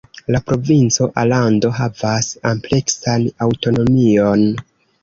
La provinco Alando havas ampleksan aŭtonomion.